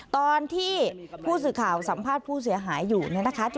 ตอนที่ผู้สื่อข่าวสัมภาษณ์ผู้เสียหายอยู่เนี่ยนะคะ